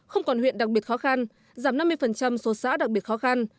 không còn huyện đặc biệt khó khăn giảm năm mươi số xã đặc biệt khó khăn